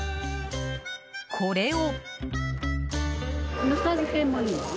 これを。